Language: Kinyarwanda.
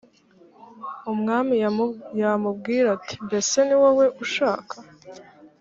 umwami yamubwira ati mbese niwowe ushaka.